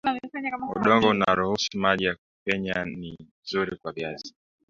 udongo unaruhusu maji kupenya ni mzuri kwa viazi